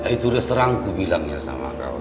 itu udah serang ku bilangnya sama kau